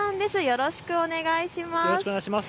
よろしくお願いします。